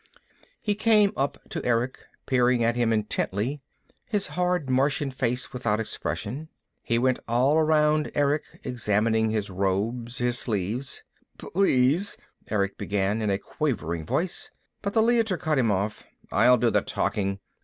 He came up to Erick, peering at him intently, his hard Martian face without expression. He went all around Erick, examining his robes, his sleeves. "Please " Erick began in a quavering voice, but the Leiter cut him off. "I'll do the talking.